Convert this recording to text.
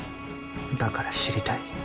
だから知りたい。